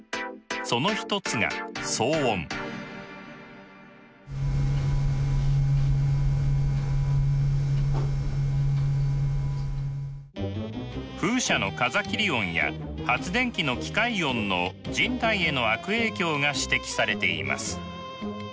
その一つが風車の風切り音や発電機の機械音の人体への悪影響が指摘されています。